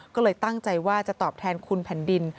ก็เลยตั้งใจว่าจะตอบแทนคุณแผ่นดิน